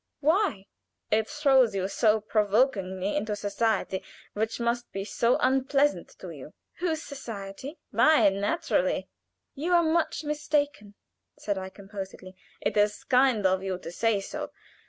Why?" "It throws you so provokingly into society which must be so unpleasant to you." "Whose society?" "Mine, naturally." "You are much mistaken," said I, composedly. "It is kind of you to say so.